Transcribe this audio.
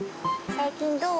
最近どう？